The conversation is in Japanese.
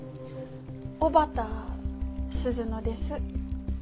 小畠鈴乃です。